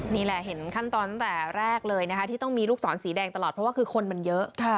นี่แหละเห็นขั้นตอนตั้งแต่แรกเลยนะคะที่ต้องมีลูกศรสีแดงตลอดเพราะว่าคือคนมันเยอะ